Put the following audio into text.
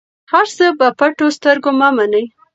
هر څه په پټو سترګو مه منئ.